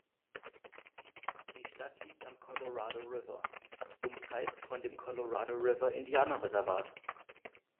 Die Stadt liegt am Colorado River, umkreist von dem Colorado-River-Indianerreservat.